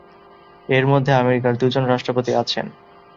এর মধ্যে আমেরিকার দুজন রাষ্ট্রপতি আছেন।